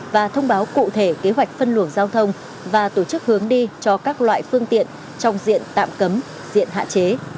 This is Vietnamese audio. và thông báo cụ thể kế hoạch phân luồng giao thông và tổ chức hướng đi cho các loại phương tiện trong diện tạm cấm diện hạn chế